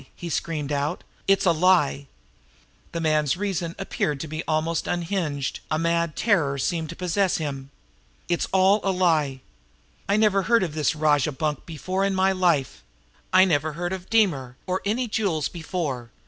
he screamed out. "It's a lie!" The man's reason appeared to be almost unhinged; a mad terror seemed to possess him. "It's all a lie! I never heard of this rajah bunk before in my life! I never heard of Deemer, or any jewels before.